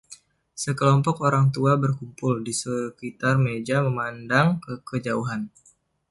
Sekelompok orang tua berkumpul di sekitar meja memandang ke kejauhan.